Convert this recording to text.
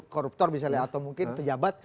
koruptor misalnya atau mungkin pejabat